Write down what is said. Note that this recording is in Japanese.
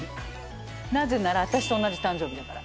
なぜなら、私と同じ誕生日だから。